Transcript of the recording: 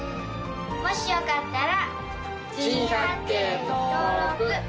もしよかったら。